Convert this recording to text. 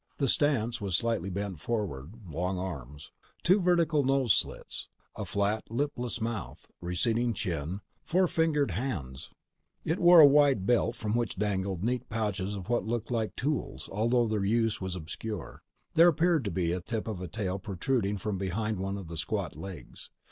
The stance was slightly bent forward, long arms. Two vertical nose slits. A flat, lipless mouth. Receding chin. Four fingered hands. It wore a wide belt from which dangled neat pouches and what looked like tools, although their use was obscure. There appeared to be the tip of a tail protruding from behind one of the squat legs.